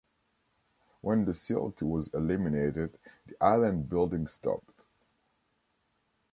When the silt was eliminated, the island-building stopped.